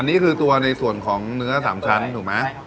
อันนี้คือตัวในส่วนของเนื้อ๓ชั้นถูกไหม